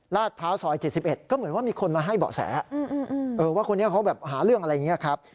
พร้าวซอย๗๑ก็เหมือนว่ามีคนมาให้เบาะแสว่าคนนี้เขาแบบหาเรื่องอะไรอย่างนี้ครับ